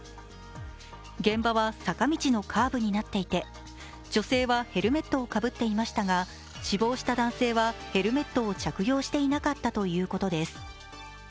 現場は坂道のカーブになっていて女性はヘルメットをかぶっていましたが、死亡した男性は、ヘルメットを着用していなかったということです。